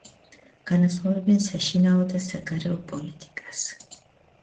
განასხვავებენ საშინაო და საგარეო პოლიტიკას.